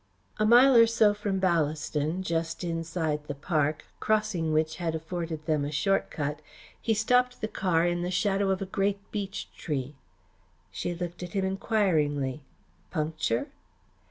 A mile or so from Ballaston, just inside the park, crossing which had afforded them a short cut, he stopped the car in the shadow of a great beech tree. She looked at him enquiringly. "Puncture?"